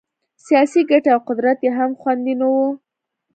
سیاسي ګټې او قدرت یې هم خوندي نه وو.